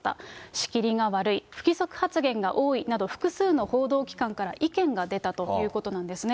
仕切りが悪い、不規則発言が多いなど、複数の報道機関から意見が出たということなんですね。